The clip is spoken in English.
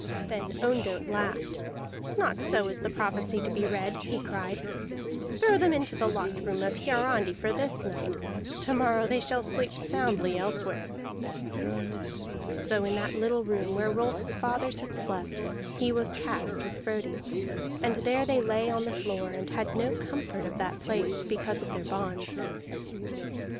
Then Ondott laughed. "Not so is the prophecy to be read!" he cried. "Throw them into the locked room of Hiarandi for this night. To morrow they shall sleep soundly elsewhere." So in that little room where Rolf's fathers had slept he was cast with Frodi, and there they lay on the floor, and had no comfort of that place because of their bonds.